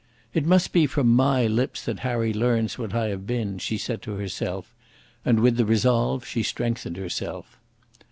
"It must be from my lips that Harry learns what I have been," she said to herself, and with the resolve she strengthened herself.